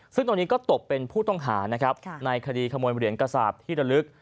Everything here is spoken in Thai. ซึ่งตอนนี้ก็ตบเป็นผู้ต้องหาในคดีขโมยเหมือนกษาบที่ระลึก